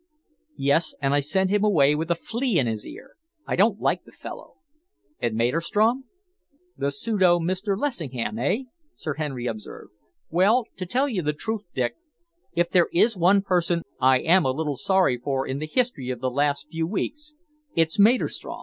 "Yes, and I sent him away with a flea in his ear! I don't like the fellow." "And Maderstrom?" "The pseudo Mr. Lessingham, eh?" Sir Henry observed. "Well, to tell you the truth, Dick, if there is one person I am a little sorry for in the history of the last few weeks, it's Maderstrom."